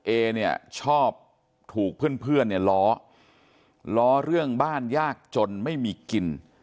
เอเนี่ยชอบถูกเพื่อนเนี่ยล้อล้อเรื่องบ้านยากจนไม่มีกิน